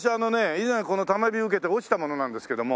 以前この多摩美を受けて落ちた者なんですけども。